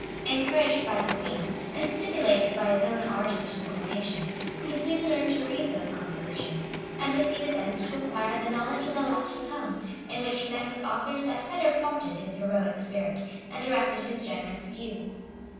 [] Encouraged by the queen, and stimulated by his own ardent inclination, he soon learned to read those compositions; and proceeded thence to acquire the knowledge of the Latin tongue, in which he met with authors that better prompted his heroic spirit, and directed his generous views.